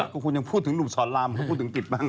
ก็คุณยังพูดถึงหนุ่มสอนรามเขาพูดถึงจิตบ้าง